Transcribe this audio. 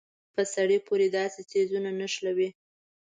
په سړي پورې داسې څيزونه نښلوي.